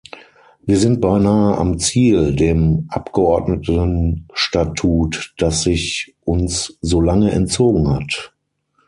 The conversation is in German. Wir sind beinahe am Ziel, dem Abgeordnetenstatut, das sich uns so lange entzogen hat.